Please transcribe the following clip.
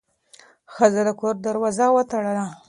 ښځه د کور دروازه وتړله.